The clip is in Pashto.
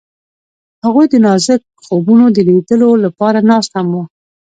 هغوی د نازک خوبونو د لیدلو لپاره ناست هم وو.